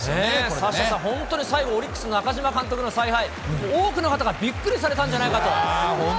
サッシャさん、これ本当、最後オリックスの中嶋監督の采配、多くの方がびっくりされたんじゃすごい。